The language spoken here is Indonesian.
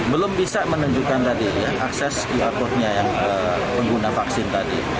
belum bisa menunjukkan tadi akses qr code nya yang pengguna vaksin tadi